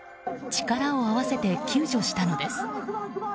力を合わせて救助したのです。